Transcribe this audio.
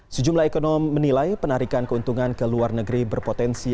sejumlah ekonom menilai penarikan keuntungan ke luar negeri berpotensi